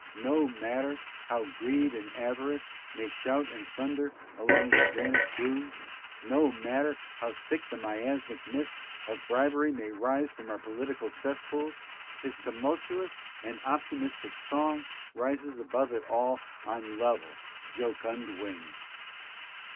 No matcer how greed and avarice may shout and thunder along their granite grooves — no matter how thick the miasmatic mist of bribery may rise from our political cess pools — his tumultuous and optimistic song rises above it all on level, jocund wing.